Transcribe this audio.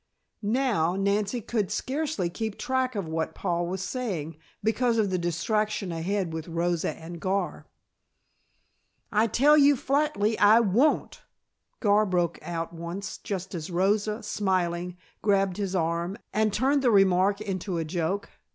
Now, Nancy could scarcely keep track of what Paul was saying, because of the distraction ahead with Rosa and Gar. "I tell you flatly I won't!" Gar broke out once just as Rosa, smiling, grabbed his arm and turned the remark into a joke.